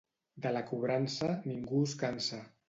De la cobrança, ningú es cansa.